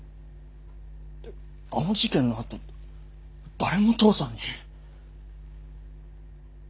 あの事件のあと誰も父さんに。